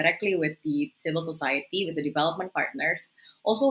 secara langsung dengan masyarakat civil dengan partner pembangunan